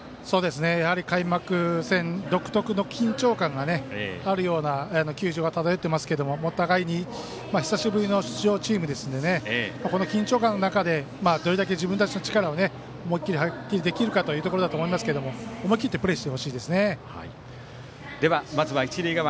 やはり開幕戦独特の緊張感があるような球場に漂っていますけどお互いに久しぶりの出場チームですのでこの緊張感の中でどれだけ自分たちの力を思いっきり発揮できるかというところだと思いますけど思い切ってでは、まずは一塁側